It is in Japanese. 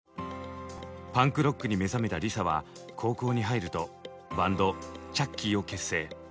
パンクロックに目覚めたＬｉＳＡは高校に入るとバンドＣＨＵＣＫＹを結成。